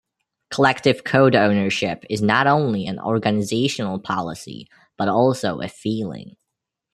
Collective code ownership is not only an organizational policy but also a feeling.